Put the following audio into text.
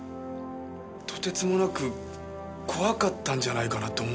とてつもなく怖かったんじゃないかなと思うんです。